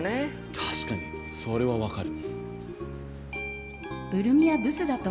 確かにそれは分かる。